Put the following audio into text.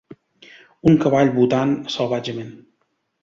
Un cavall botant salvatgement